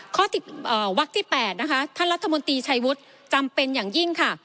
วักที่๘นะคะท่านรัฐมนตรีชัยวุฒิจำเป็นอย่างยิ่งค่ะ